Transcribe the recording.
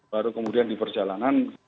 baru kemudian di perjalanan